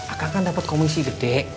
akan dapat komisi gede